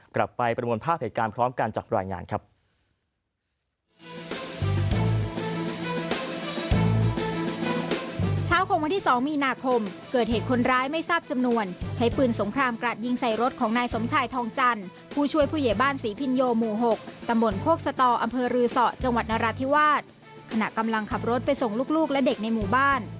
ประมวลภาพเหตุการณ์พร้อมกันจากรายงานครับ